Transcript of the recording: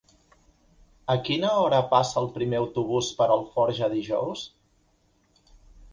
A quina hora passa el primer autobús per Alforja dijous?